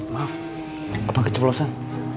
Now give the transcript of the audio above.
maaf aku pake celosan